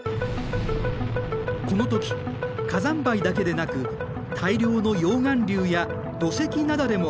この時火山灰だけでなく大量の溶岩流や土石なだれも発生。